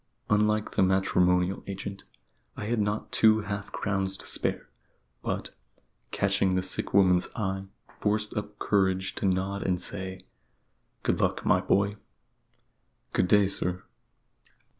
Unlike the matrimonial agent, I had not two half crowns to spare; but, catching the sick woman's eye, forced up courage to nod and say "Good luck, my boy." "Good day, sir."